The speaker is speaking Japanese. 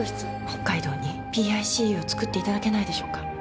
「北海道にＰＩＣＵを作っていただけないでしょうか」